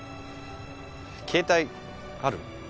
携帯ある？